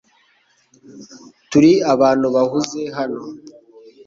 Turi abantu bahuze hano .